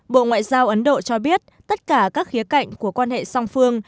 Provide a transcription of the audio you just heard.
bộ ngoại giao ấn độ cho biết tất cả các khía cạnh của quan hệ song phương